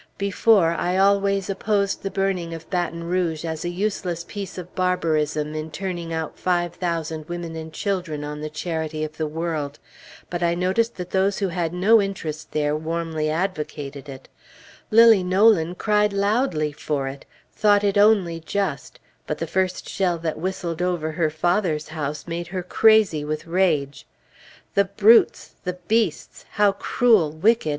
Before, I always opposed the burning of Baton Rouge, as a useless piece of barbarism in turning out five thousand women and children on the charity of the world. But I noticed that those who had no interest there warmly advocated it. Lilly Nolan cried loudly for it; thought it only just; but the first shell that whistled over her father's house made her crazy with rage. The brutes! the beasts! how cruel! wicked!